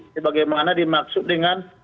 sebagaimana dimaksud dengan